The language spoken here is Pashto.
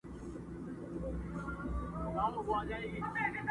o چي لو ډبره اخلي، هغه جنگ نکوي٫